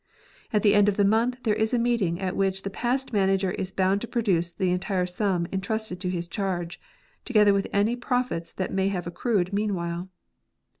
At the end of the month there is a meeting at which the past manager is bound to produce the entire sum entrusted to his charge, together with any profits that may have accrued meanwhile.